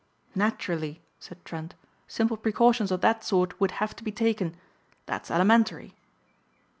"Naturally," said Trent, "simple precautions of that sort would have to be taken. That's elementary."